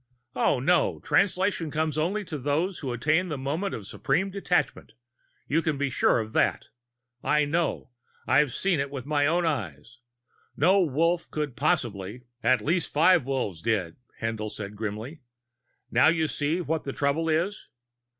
"Oh, no! Translation comes only to those who attain the moment of supreme detachment, you can be sure of that. I know! I've seen it with my own eyes. No Wolf could possibly " "At least five Wolves did," Haendl said grimly. "Now you see what the trouble is?